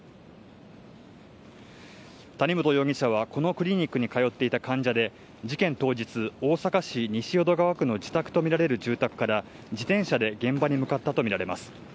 谷本容疑者はこのクリニックに通っていた患者で、事件当日、大阪市西淀川区の自宅と見られる住宅から、自転車で現場に向かったと見られます。